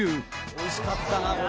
おいしかったなこれ。